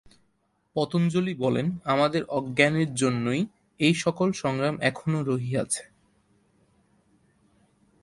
পতঞ্জলি বলেন, আমাদের অজ্ঞানের জন্যই এই-সকল সংগ্রাম এখনও রহিয়াছে।